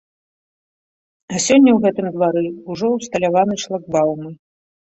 А сёння ў гэтым двары ўжо ўсталяваны шлагбаумы.